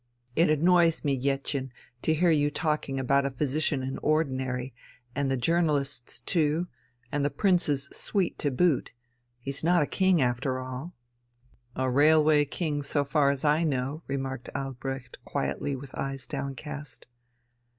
"It annoys me, Jettchen, to hear you talking about a 'physician in ordinary' and the journalists, too, and the Prince's suite to boot. He's not a king, after all." "A railway king, so far as I know," remarked Albrecht quietly with eyes downcast.